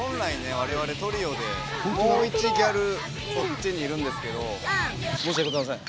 我々トリオでもう１ギャルこっちにいるんですけど申し訳ございません。